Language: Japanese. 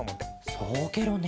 そうケロね。